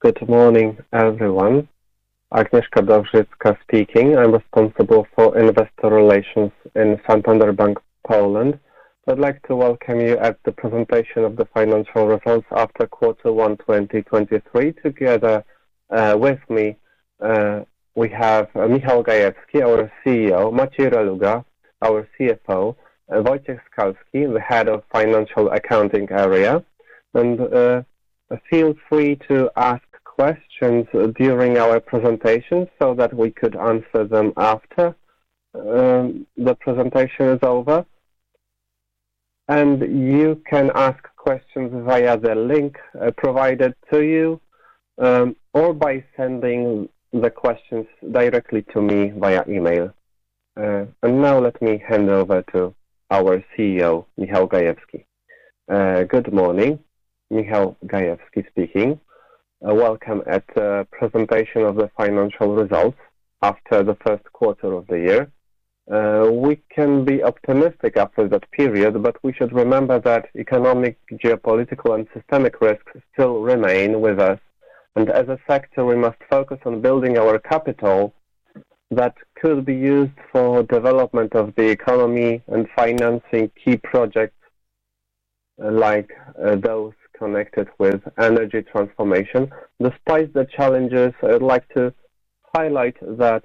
Good morning, everyone. Agnieszka Dowżycka speaking. I'm responsible for investor relations in Santander Bank Polska. I'd like to welcome you at the presentation of the financial results after quarter one 2023. Together with me, we have Michał Gajewski, our CEO, Maciej Reluga, our CFO, Wojciech Skalski, the head of financial accounting area. Feel free to ask questions during our presentation so that we could answer them after the presentation is over. You can ask questions via the link provided to you, or by sending the questions directly to me via email. Now let me hand over to our CEO, Michał Gajewski. Good morning. Michał Gajewski speaking. Welcome at the presentation of the financial results after the first quarter of the year. We can be optimistic after that period, we should remember that economic, geopolitical and systemic risks still remain with us. As a factor, we must focus on building our capital that could be used for development of the economy and financing key projects like those connected with energy transformation. Despite the challenges, I'd like to highlight that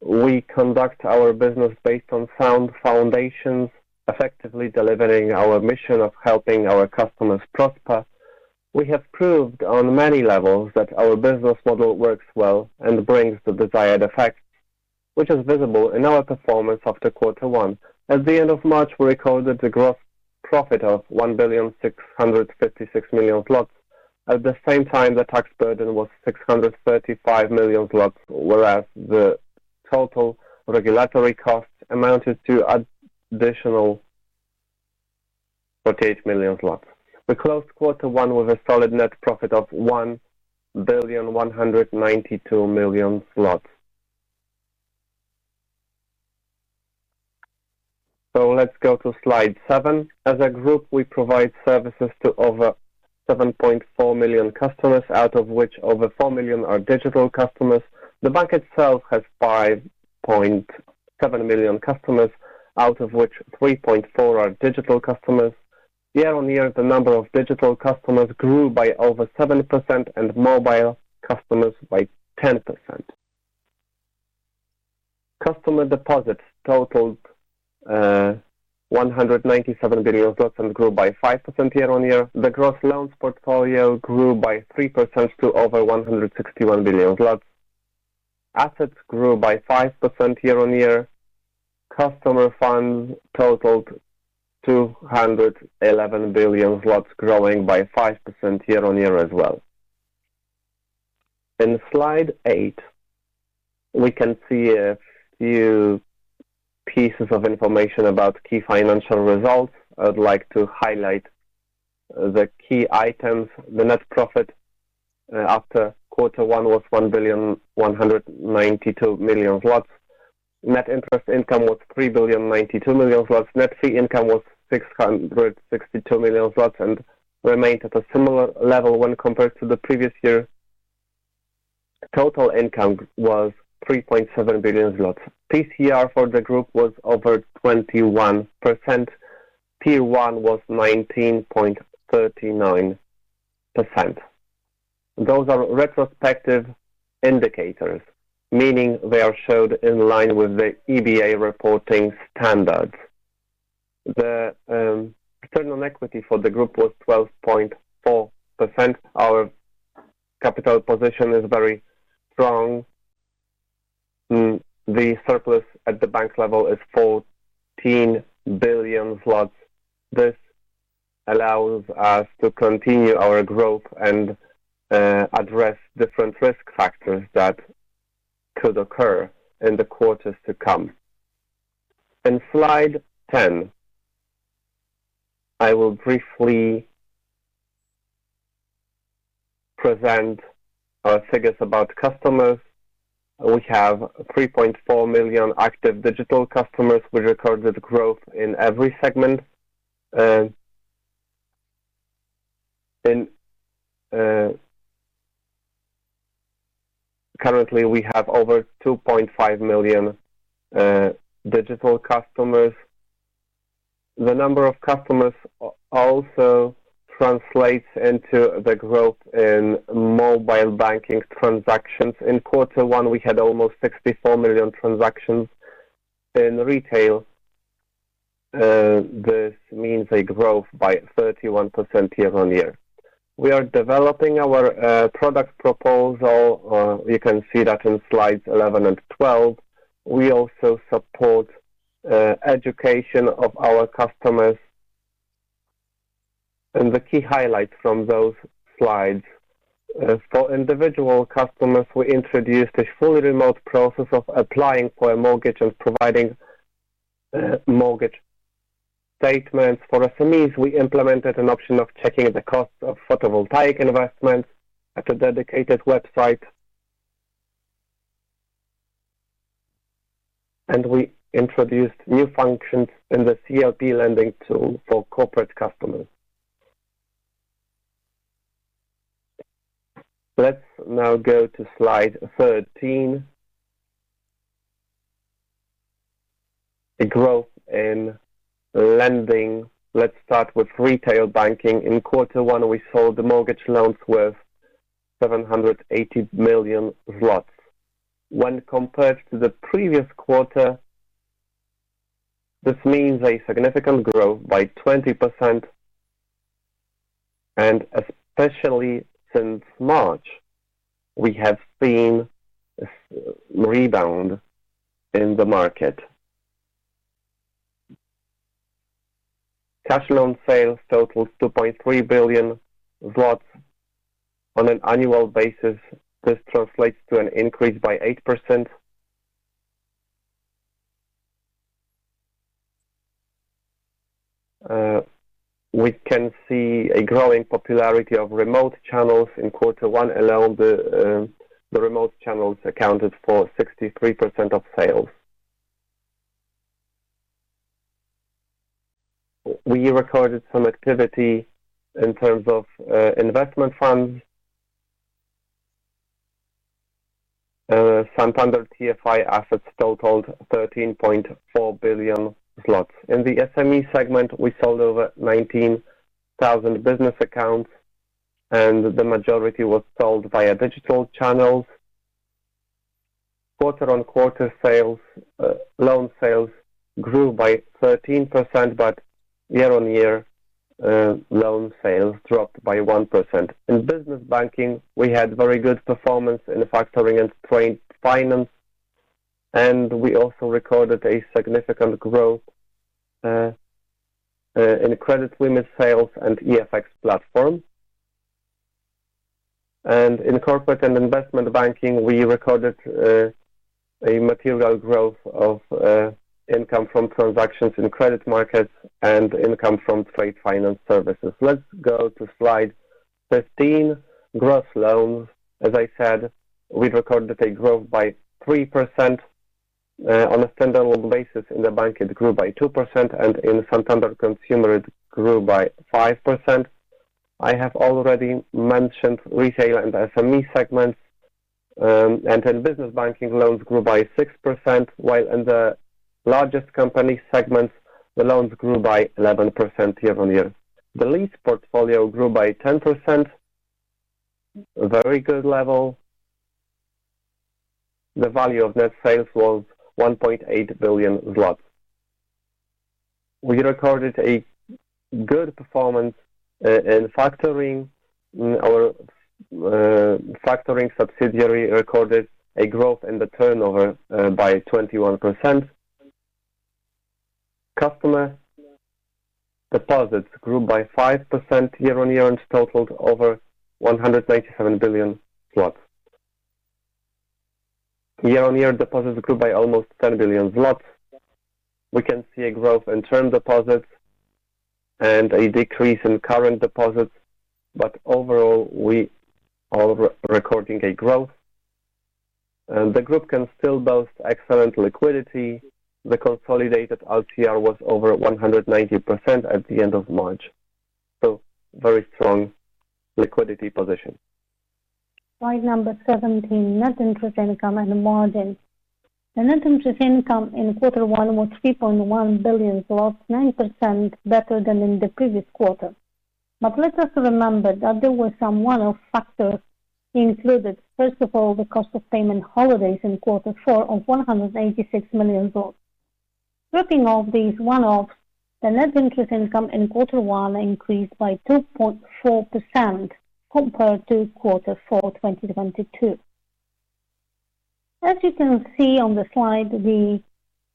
we conduct our business based on sound foundations, effectively delivering our mission of helping our customers prosper. We have proved on many levels that our business model works well and brings the desired effect, which is visible in our performance after quarter one. At the end of March, we recorded a gross profit of 1 billion 656 million. At the same time, the tax burden was, whereas the total regulatory costs amounted to additional 48 million zlotys. We closed quarter one with a solid net profit of 1.192 billion. Let's go to Slide 7. As a group, we provide services to over 7.4 million customers, out of which over 4 million are digital customers. The bank itself has 5.7 million customers, out of which 3.4 are digital customers. Year-on-year, the number of digital customers grew by over 7% and mobile customers by 10%. Customer deposits totaled PLN 197 billion and grew by 5% year-on-year. The gross loans portfolio grew by 3% to over 161 billion. Assets grew by 5% year-on-year. Customer funds totaled 211 billion zlotys, growing by 5% year-on-year as well. In Slide eight, we can see a few pieces of information about key financial results. I'd like to highlight the key items. The net profit after quarter one was 1.192 billion. Net interest income was 3.092 billion. Net fee income was 662 million zlotys and remained at a similar level when compared to the previous year. Total income was 3.7 billion zloty. PCR for the group was over 21%. P1 was 19.39%. Those are retrospective indicators, meaning they are showed in line with the EBA reporting standards. The return on equity for the group was 12.4%. Our capital position is very strong. The surplus at the bank level is 14 billion zlotys. This allows us to continue our growth and address different risk factors that could occur in the quarters to come. In Slide 10, I will briefly present our figures about customers. We have 3.4 million active digital customers. We recorded growth in every segment. Currently we have over 2.5 million digital customers. The number of customers also translates into the growth in mobile banking transactions. In quarter one, we had almost 64 million transactions in retail. This means a growth by 31% year-on-year. We are developing our product proposal. You can see that in Slides 11 and 12. We also support education of our customers. The key highlights from those slides. For individual customers, we introduced a fully remote process of applying for a mortgage and providing mortgage statements. For SMEs, we implemented an option of checking the cost of photovoltaic investments at a dedicated website. We introduced new functions in the CLP lending tool for corporate customers. Let's now go to Slide 13. The growth in lending. Let's start with retail banking. In quarter one, we sold the mortgage loans worth 780 million zlotys. When compared to the previous quarter, this means a significant growth by 20%. Especially since March, we have seen a rebound in the market. Cash loan sales totaled 2.3 billion zlotys. On an annual basis, this translates to an increase by 8%. We can see a growing popularity of remote channels. In quarter one alone, the remote channels accounted for 63% of sales. We recorded some activity in terms of investment funds. Santander TFI assets totaled 13.4 billion złoty. In the SME segment, we sold over 19,000 business accounts and the majority was sold via digital channels. Quarter-on-quarter sales, loan sales grew by 13%, but year-on-year, loan sales dropped by 1%. In business banking, we had very good performance in the factoring and trade finance, and we also recorded a significant growth in credit women's sales and EFX platform. In corporate and investment banking, we recorded a material growth of income from transactions in credit markets and income from trade finance services. Let's go to Slide 15. Gross loans. As I said, we recorded a growth by 3% on a standalone basis. In the bank, it grew by 2% and in Santander Consumer, it grew by 5%. I have already mentioned retail and SME segments, in business banking, loans grew by 6%, while in the largest company segments, the loans grew by 11% year on year. The lease portfolio grew by 10%. Very good level. The value of net sales was 1.8 billion zlotys. We recorded a good performance in factoring. Our factoring subsidiary recorded a growth in the turnover by 21%. Customer deposits grew by 5% year on year and totaled over 197 billion zlotys. Year on year deposits grew by almost 10 billion zlotys. We can see a growth in term deposits and a decrease in current deposits, overall, we are recording a growth. The group can still boast excellent liquidity. The consolidated LTR was over 190% at the end of March. Very strong liquidity position. Slide number 17, net interest income and margin. The net interest income in quarter one was 3.1 billion, 9% better than in the previous quarter. Let us remember that there were some one-off factors included. First of all, the cost of payment holidays in quarter four of PLN 186 million. Dropping off these one-offs, the net interest income in quarter one increased by 2.4% compared to quarter four, 2022. As you can see on the slide, the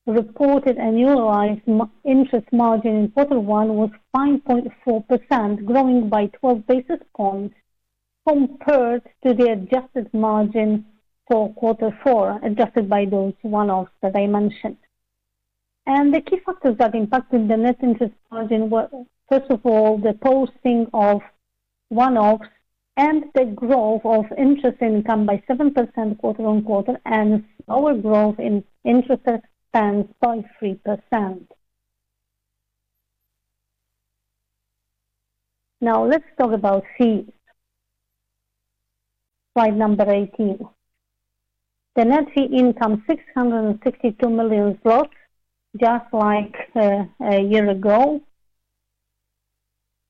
reported annualized interest margin in quarter one was 9.4%, growing by 12 basis points compared to the adjusted margin for quarter four, adjusted by those one-offs that I mentioned. The key factors that impacted the net interest margin were, first of all, the posting of one-offs and the growth of interest income by 7% quarter-on-quarter and lower growth in interest expense by 3%. Let's talk about fees. Slide number 18. The net fee income 662 million just like a year ago.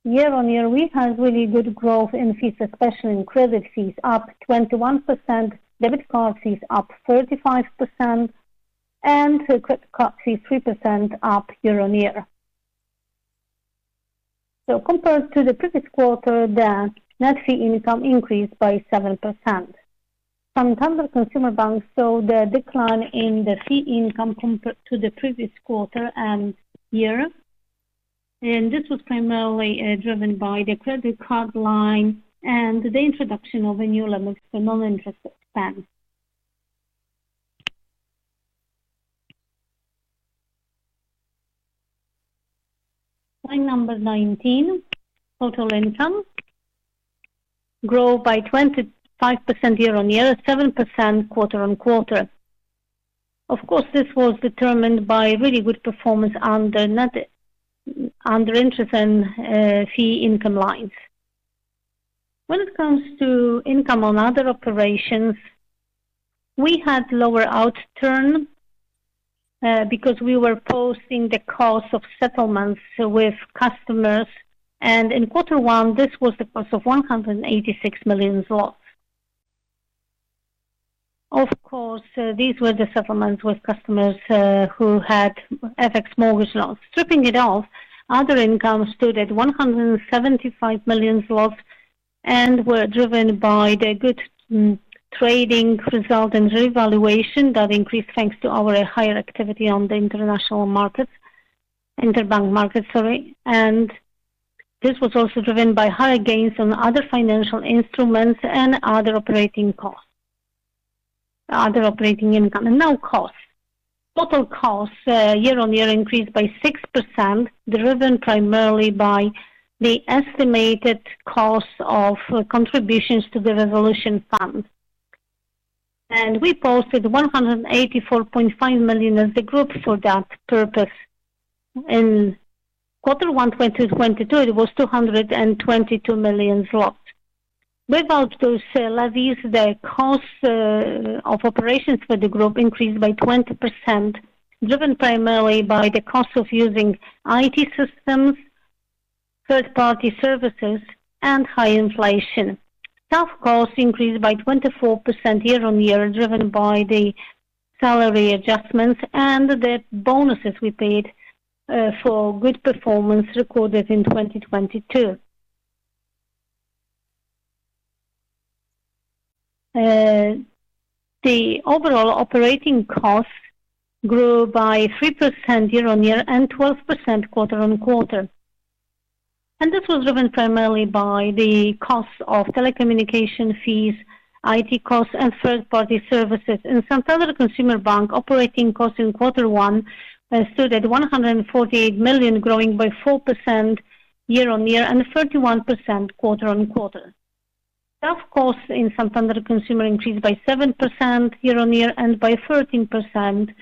Year-on-year, we've had really good growth in fees, especially in credit fees, up 21%, debit card fees up 35% and credit card fees 3% up year-on-year. Compared to the previous quarter, the net fee income increased by 7%. Santander Consumer Bank saw the decline in the fee income compared to the previous quarter and year. This was primarily driven by the credit card line and the introduction of a new limit for non-interest expense. Slide number 19, total income grew by 25% year-on-year, 7% quarter-on-quarter. Of course, this was determined by really good performance under interest and fee income lines. When it comes to income on other operations, we had lower outturn because we were posting the cost of settlements with customers. In quarter one, this was the cost of 186 million zlotys. Of course, these were the settlements with customers who had FX mortgage loans. Stripping it off, other income stood at 175 million zlotys and were driven by the good trading result and revaluation that increased thanks to our higher activity on the interbank markets, sorry. This was also driven by higher gains on other financial instruments and other operating income. Now costs. Total costs, year-on-year increased by 6%, driven primarily by the estimated cost of contributions to the resolution fund. We posted 184.5 million as the group for that purpose. In quarter one, 2022, it was 222 million zlotys. Without those levies, the costs of operations for the group increased by 20%, driven primarily by the cost of using IT systems, third-party services, and high inflation. Staff costs increased by 24% year-on-year, driven by the salary adjustments and the bonuses we paid for good performance recorded in 2022. The overall operating costs grew by 3% year-on-year and 12% quarter-on-quarter. This was driven primarily by the costs of telecommunication fees, IT costs, and third-party services. In Santander Consumer Bank, operating costs in quarter one stood at 148 million, growing by 4% year-over-year and 31% quarter-over-quarter. Staff costs in Santander Consumer increased by 7% year-over-year and by 13%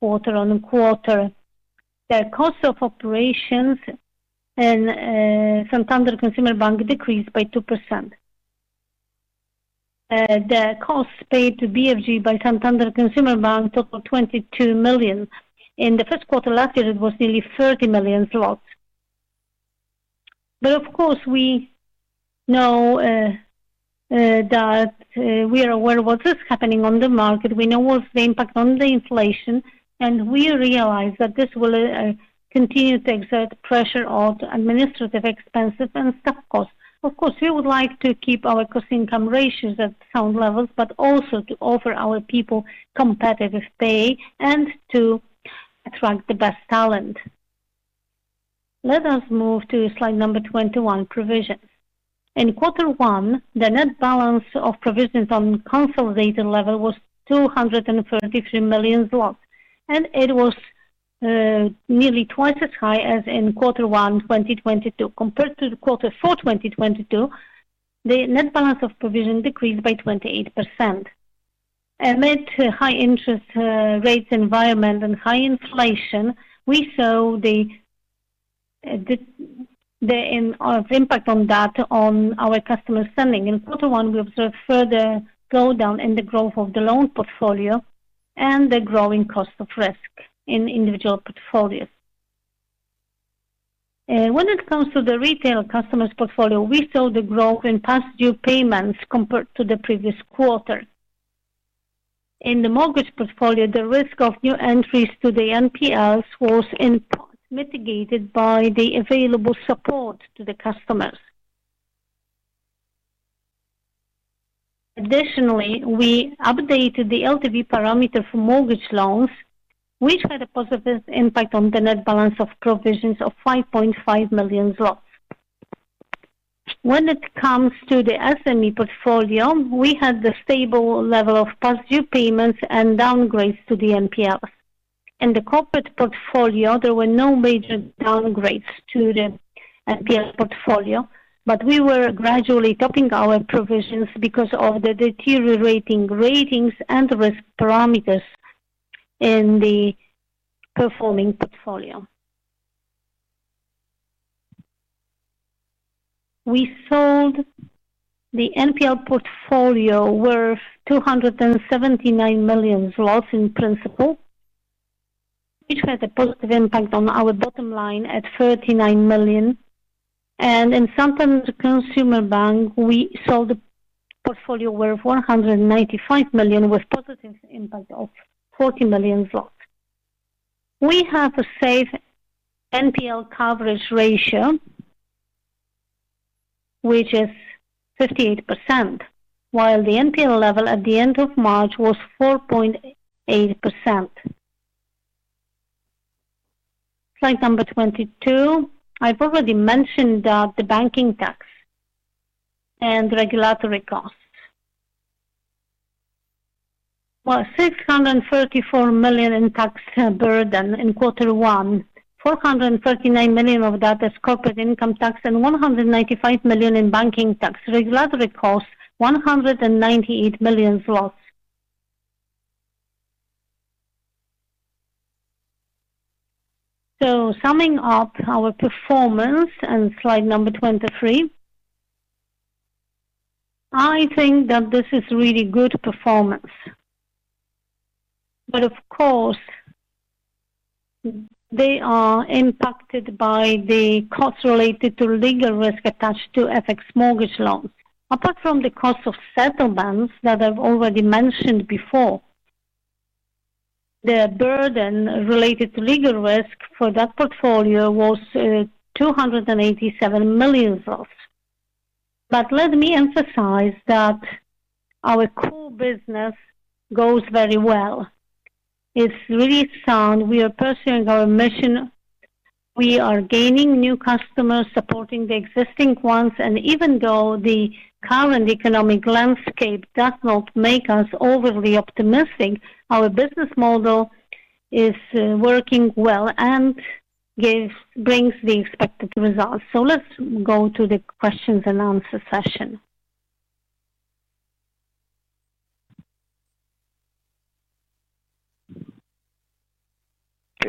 quarter-over-quarter. The cost of operations in Santander Consumer Bank decreased by 2%. The costs paid to BFG by Santander Consumer Bank totaled 22 million. In the first quarter last year, it was nearly 30 million zlotys. Of course, we know that we are aware of what is happening on the market. We know what's the impact on the inflation, we realize that this will continue to exert pressure on administrative expenses and staff costs. Of course, we would like to keep our cost income ratios at sound levels, but also to offer our people competitive pay and to attract the best talent. Let us move to slide number 21, provisions. In quarter one, the net balance of provisions on consolidated level was 233 million zlotys, and it was nearly twice as high as in quarter one, 2022. Compared to the quarter four, 2022, the net balance of provision decreased by 28%. Amid high interest rates environment and high inflation, we saw the impact on that on our customer spending. In quarter one, we observed further slowdown in the growth of the loan portfolio and the growing cost of risk in individual portfolios. When it comes to the retail customers portfolio, we saw the growth in past due payments compared to the previous quarter. In the mortgage portfolio, the risk of new entries to the NPLs was in part mitigated by the available support to the customers. Additionally, we updated the LTV parameter for mortgage loans, which had a positive impact on the net balance of provisions of 5.5 million zlotys. When it comes to the SME portfolio, we had the stable level of past due payments and downgrades to the NPLs. In the corporate portfolio, there were no major downgrades to the NPL portfolio, but we were gradually topping our provisions because of the deteriorating ratings and risk parameters in the performing portfolio. We sold the NPL portfolio worth 279 million zlotys in principle, which had a positive impact on our bottom line at 39 million. In Santander Consumer Bank, we sold a portfolio worth 195 million, with positive impact of 40 million. We have a safe NPL coverage ratio, which is 58%, while the NPL level at the end of March was 4.8%. Slide number 22. I've already mentioned the banking tax and regulatory costs. Well, 634 million in tax burden in quarter one. 439 million of that is corporate income tax and 195 million in banking tax. Regulatory costs, 198 million zlotys. Summing up our performance on slide number 23. I think that this is really good performance. Of course, they are impacted by the costs related to legal risk attached to FX mortgage loans. Apart from the cost of settlements that I've already mentioned before, the burden related to legal risk for that portfolio was 287 million zlotys. Let me emphasize that our core business goes very well. It's really sound. We are pursuing our mission. We are gaining new customers, supporting the existing ones, and even though the current economic landscape does not make us overly optimistic, our business model is working well and brings the expected results. Let's go to the questions and answer session.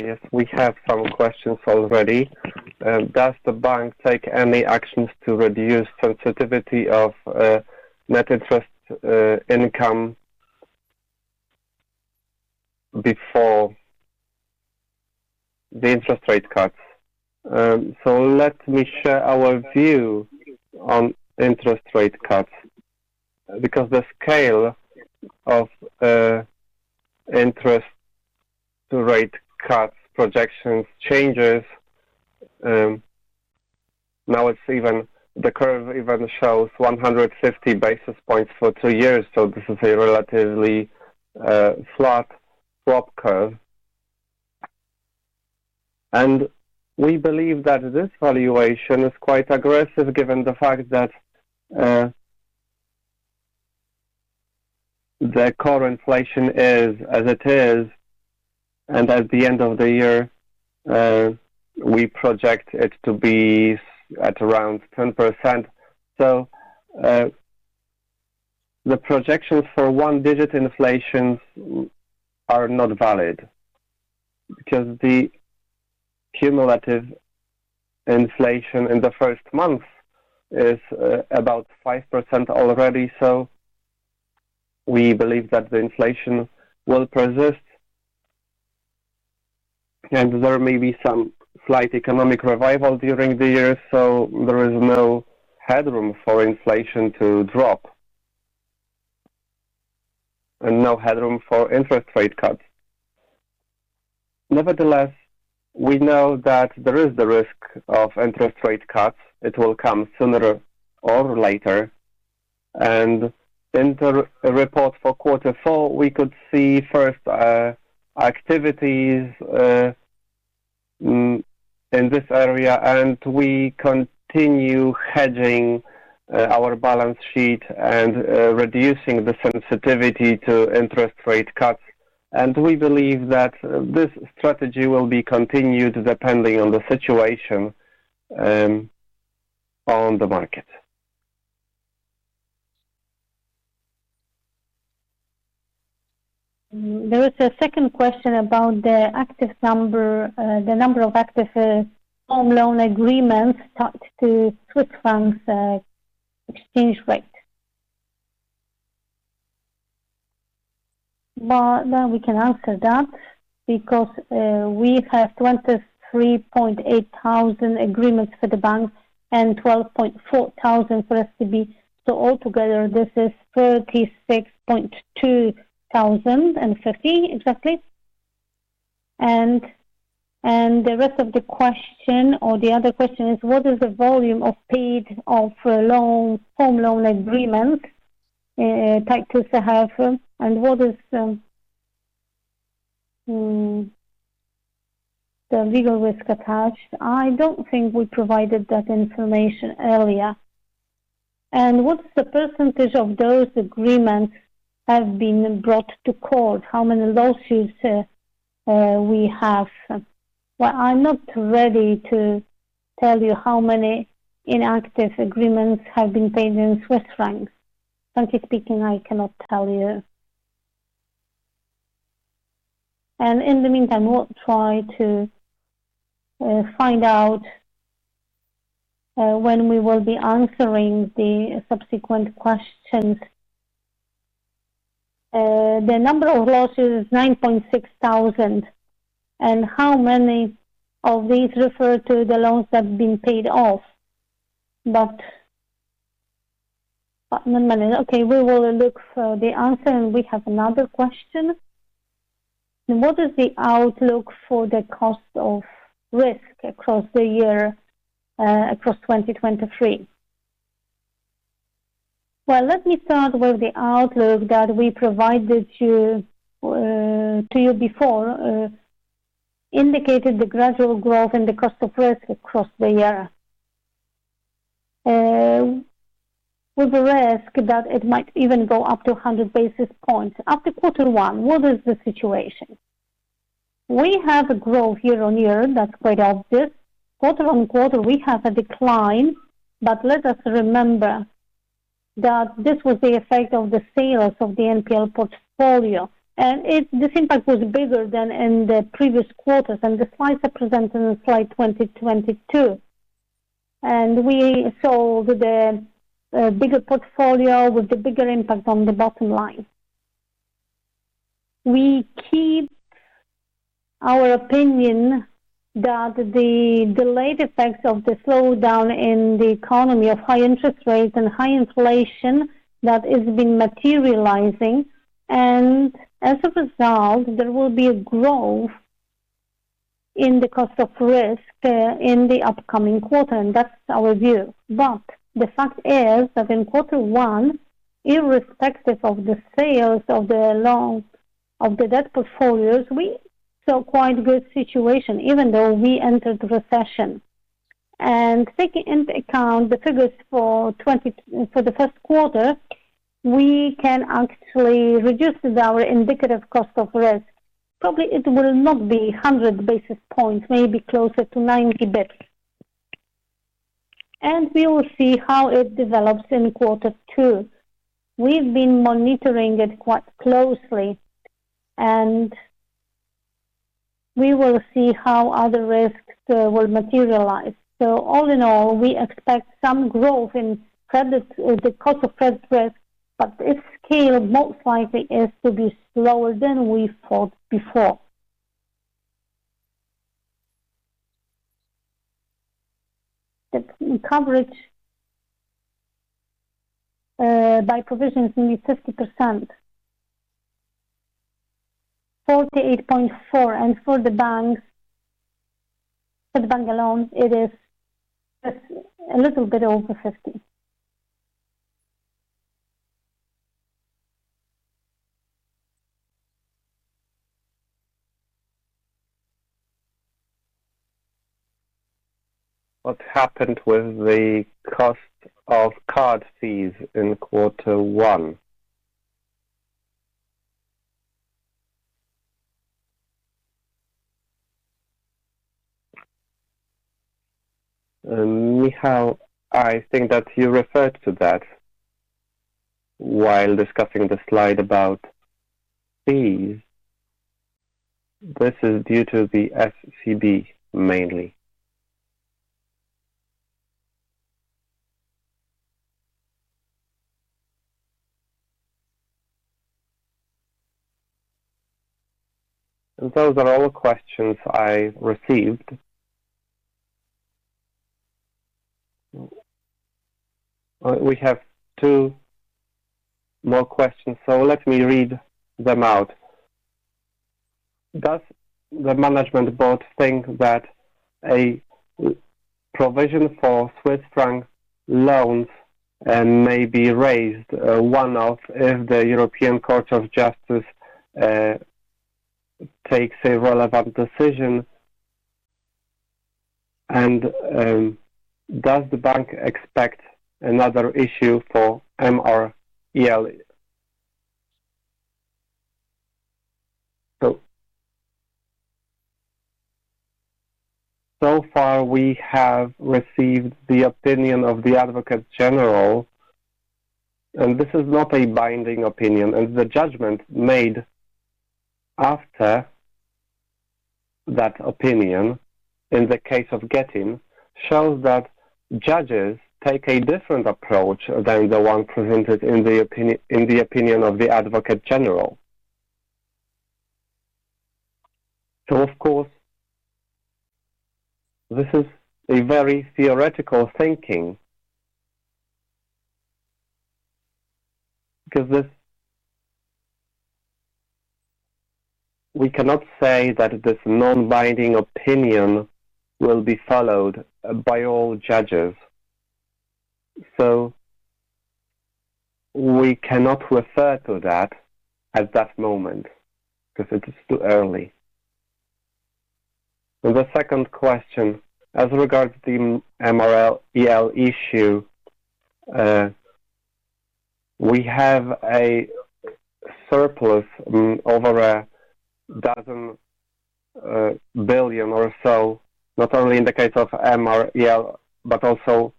Yes, we have some questions already. Does the bank take any actions to reduce sensitivity of net interest income before the interest rate cuts? Let me share our view on interest rate cuts. The scale of interest rate cuts projections changes. Now the curve even shows 150 basis points for 2 years. This is a relatively flat swap curve. We believe that this valuation is quite aggressive given the fact that the core inflation is as it is, and at the end of the year, we project it to be at around 10%. The projections for 1-digit inflation are not valid because the cumulative inflation in the first month is about 5% already. We believe that the inflation will persist. There may be some slight economic revival during the year, so there is no headroom for inflation to drop. No headroom for interest rate cuts. Nevertheless, we know that there is the risk of interest rate cuts. It will come sooner or later. In the report for quarter four, we could see first activities in this area, and we continue hedging our balance sheet and reducing the sensitivity to interest rate cuts. We believe that this strategy will be continued depending on the situation on the market. There is a second question about the number of active home loan agreements tied to Swiss francs exchange rate. Well, now we can answer that because we have 23.8 thousand agreements for the bank and 12.4 thousand for SCB. Altogether, this is 36,250 exactly. The rest of the question or the other question is what is the volume of paid off loans, home loan agreements, tied to CHF? What is the legal risk attached? I don't think we provided that information earlier. What's the % of those agreements have been brought to court? How many lawsuits we have? Well, I'm not ready to tell you how many inactive agreements have been paid in Swiss francs. Frankly speaking, I cannot tell you. In the meantime, we'll try to find out when we will be answering the subsequent questions. The number of lawsuits is 9,600 and how many of these refer to the loans that have been paid off. Never mind. Okay, we will look for the answer, and we have another question. What is the outlook for the cost of risk across the year, across 2023? Well, let me start with the outlook that we provided you to you before, indicated the gradual growth in the cost of risk across the year. With the risk that it might even go up to 100 basis points. After Q1, what is the situation? We have a growth year-on-year that's quite obvious. Quarter-on-quarter, we have a decline. Let us remember that this was the effect of the sales of the NPL portfolio. This impact was bigger than in the previous quarters, and the slides are presented on Slide 22. We saw the bigger portfolio with the bigger impact on the bottom line. We keep our opinion that the delayed effects of the slowdown in the economy of high interest rates and high inflation that has been materializing. As a result, there will be a growth in the cost of risk in the upcoming quarter, and that's our view. The fact is that in quarter 1, irrespective of the sales of the loans of the debt portfolios, we saw quite good situation even though we entered the recession. Taking into account the figures for the 1st quarter, we can actually reduce our indicative cost of risk. Probably it will not be 100 basis points, maybe closer to 90 basis points. We will see how it develops in quarter two. We've been monitoring it quite closely, and we will see how other risks will materialize. All in all, we expect some growth in the cost of credit risk, but its scale most likely is to be slower than we thought before. The coverage by provisions is 50%. 48.4%. For the bank alone, it is just a little bit over 50%. What happened with the cost of card fees in quarter one? Michał, I think that you referred to that while discussing the slide about fees. This is due to the FCB, mainly. Those are all the questions I received. We have 2 more questions, let me read them out. Does the management board think that a provision for Swiss franc loans may be raised one-off if the European Court of Justice takes a relevant decision? Does the bank expect another issue for MREL? So far we have received the opinion of the Advocate General, and this is not a binding opinion, and the judgment made after that opinion in the case of Getin shows that judges take a different approach than the one presented in the opinion of the Advocate General. Of course, this is a very theoretical thinking. We cannot say that this non-binding opinion will be followed by all judges. We cannot refer to that at that moment because it is too early. The second question, as regards the MREL issue, we have a surplus over a dozen billion or so, not only in the case of MREL, but also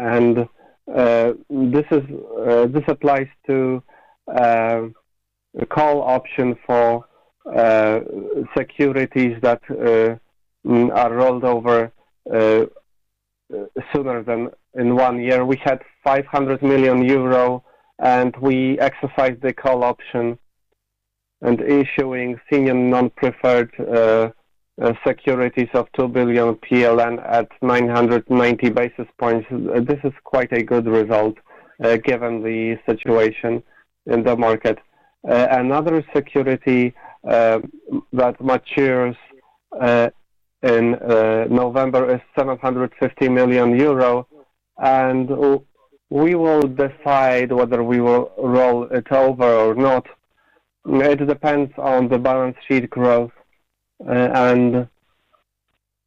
TLAC. This is, this applies to call option for securities that are rolled over sooner than in one year. We had 500 million euro and we exercised the call option and issuing senior non-preferred securities of 2 billion PLN at 990 basis points. This is quite a good result given the situation in the market. Another security that matures in November is 750 million euro. We will decide whether we will roll it over or not. It depends on the balance sheet growth and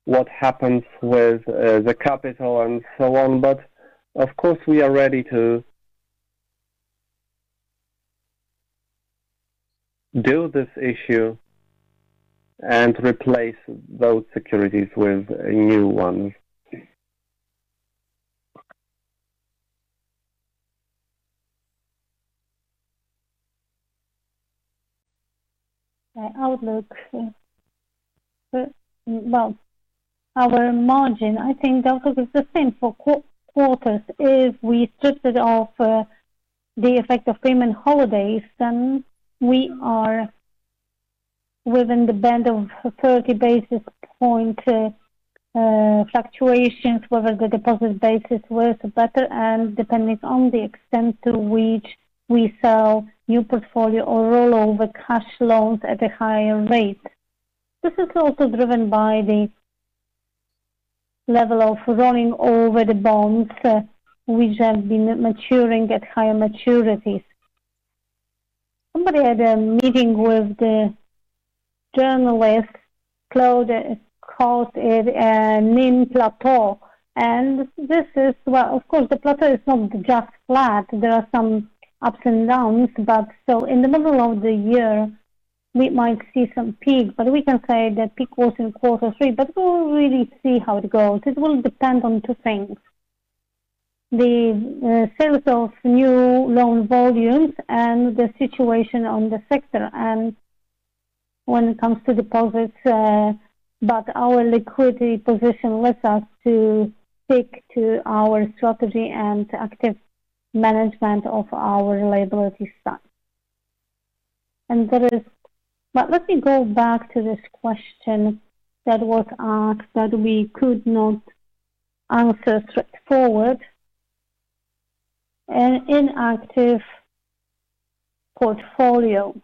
what happens with the capital and so on. Of course, we are ready to do this issue and replace those securities with new ones. Outlook. Our margin, I think that was the same for quarters. If we stripped it of the effect of payment holidays, then we are within the band of 30 basis point fluctuations, whether the deposit base is worse or better, and depending on the extent to which we sell new portfolio or roll over cash loans at a higher rate. This is also driven by the level of rolling over the bonds, which have been maturing at higher maturities. Somebody at a meeting with the journalist called it a NIM plateau. Of course, the plateau is not just flat. There are some ups and downs. In the middle of the year we might see some peak, we can say that peak was in quarter 3, we'll really see how it goes. It will depend on two things, the sales of new loan volumes and the situation on the sector and when it comes to deposits, but our liquidity position lets us to stick to our strategy and active management of our liability stock. Let me go back to this question that was asked that we could not answer straightforward. Inactive portfolio.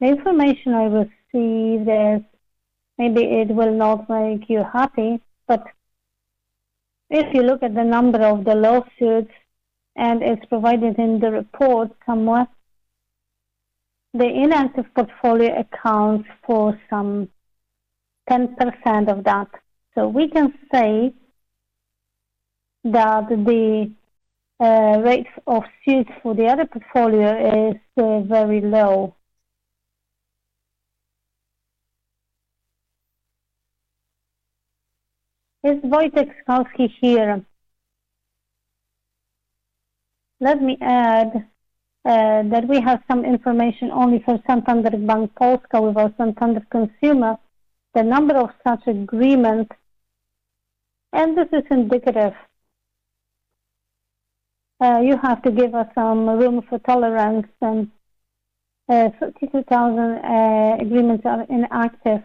The information I will see there, maybe it will not make you happy, but if you look at the number of the lawsuits and it's provided in the report somewhere, the inactive portfolio accounts for some 10% of that. We can say that the rates of suits for the other portfolio is very low. Is Wojciech Skalski here? Let me add that we have some information only for Santander Bank Polska with our Santander Consumer, the number of such agreement, and this is indicative. You have to give us some room for tolerance and 32,000 agreements are inactive,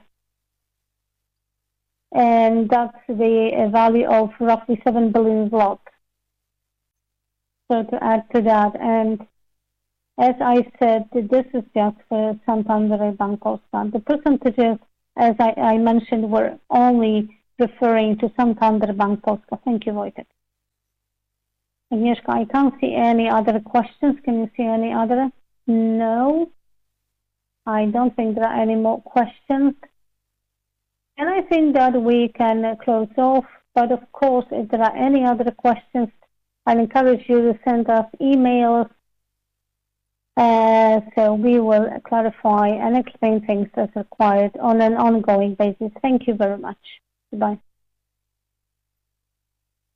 and that's the value of roughly 7 billion. To add to that, and as I said, this is just Santander Bank Polska. The percentages, as I mentioned, were only referring to Santander Bank Polska. Thank you, Wojciech. Agnieszka, I can't see any other questions. Can you see any other? No. I don't think there are any more questions. I think that we can close off. Of course, if there are any other questions, I'll encourage you to send us emails, so we will clarify and explain things as required on an ongoing basis. Thank you very much. Goodbye.